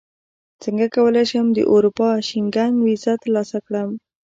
څنګه کولی شم د اروپا شینګن ویزه ترلاسه کړم